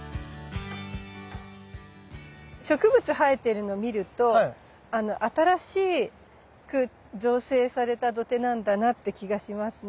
植物生えてるの見ると新しく造成された土手なんだなって気がしますね。